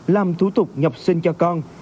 làm thủ tục nhập sinh cho con